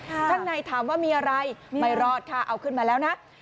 ข้างในถามว่ามีอะไรไม่รอดค่ะเอาขึ้นมาแล้วนะ